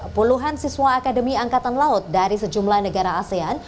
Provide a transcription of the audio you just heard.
puluhan siswa akademi angkatan laut dari sejumlah negara asean